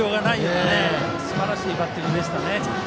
すばらしいバッティングでしたね。